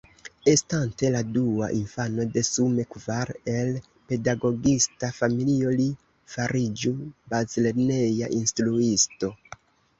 Estante la dua infano de sume kvar el pedagogista familio li fariĝu bazlerneja instruisto.